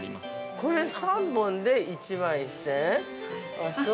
◆これ３本で１万１０００円？あっ、そう。